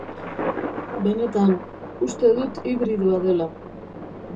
Benetan, uste dut hibridoa dela.